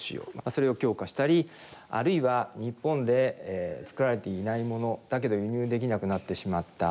それを強化したりあるいは日本で作られていないものだけど輸入できなくなってしまった。